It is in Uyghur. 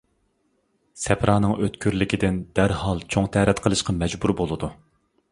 سەپرانىڭ ئۆتكۈرلۈكىدىن دەرھال چوڭ تەرەت قىلىشقا مەجبۇر بولىدۇ.